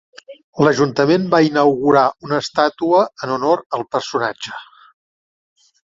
L'ajuntament va inaugurar una estàtua en honor al personatge.